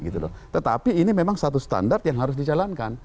tetapi ini memang satu standar yang harus dijalankan